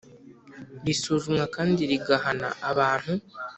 risuzumwa kandi rigahana abantu